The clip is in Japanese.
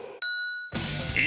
え？